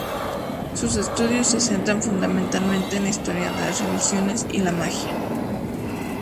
Sus estudios se centran fundamentalmente en la historia de las religiones y la magia.